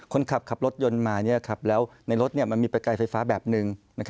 คนขับขับรถยนต์มาแล้วในรถมันมีประกายไฟฟ้าแบบหนึ่ง